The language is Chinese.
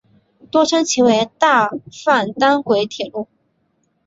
多称其为大阪单轨铁路。